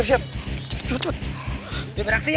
kale itu bukan emosiaknya